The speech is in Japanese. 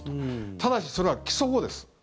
ただし、それは起訴後です。